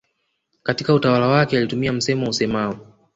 Katika utawala wake alitumia msemo useamao